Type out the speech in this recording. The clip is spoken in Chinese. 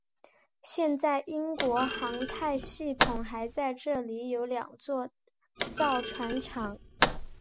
现在英国航太系统还在这里有两座造船厂。